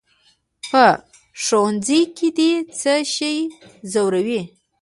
"په ښوونځي کې دې څه شی ځوروي؟"